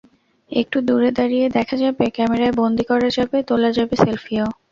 একটু দূরে দাঁড়িয়ে দেখা যাবে, ক্যামেরায় বন্দী করা যাবে, তোলা যাবে সেলফিও।